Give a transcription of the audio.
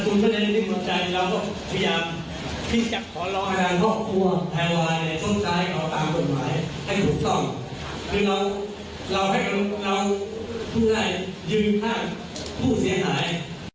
คือเราเราให้เราทุกใจยืนข้างผู้เสียหาย